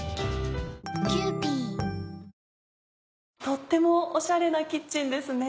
とってもオシャレなキッチンですね。